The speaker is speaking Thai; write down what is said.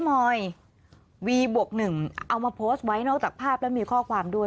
มอยวีบวก๑เอามาโพสต์ไว้นอกจากภาพแล้วมีข้อความด้วย